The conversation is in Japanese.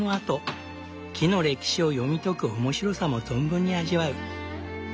木の歴史を読み解く面白さも存分に味わう。